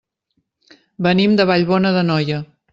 Venim de Vallbona d'Anoia.